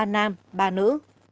ba nam ba nữ